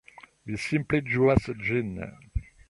Vi simple ĝuas ĝin.